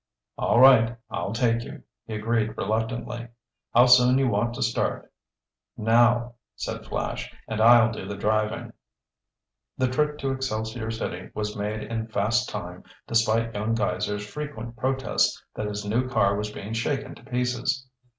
"All right, I'll take you," he agreed reluctantly. "How soon you want to start?" "Now," said Flash. "And I'll do the driving." The trip to Excelsior City was made in fast time despite young Geiser's frequent protests that his new car was being shaken to pieces.